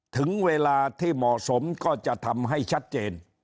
ถึงเวลาที่เหมาะสมก็จะทำให้ชัดเจน